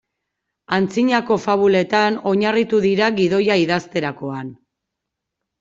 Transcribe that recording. Antzinako fabuletan oinarritu dira gidoia idazterakoan.